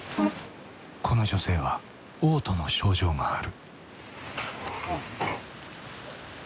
この女性はおう吐の症状がある。